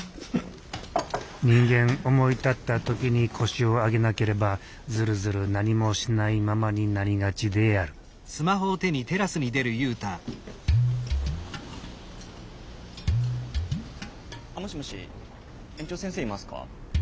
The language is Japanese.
人間思い立った時に腰を上げなければずるずる何もしないままになりがちであるあもしもし園長先生いますか？